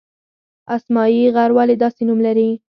اسمايي غر ولې داسې نوم لري؟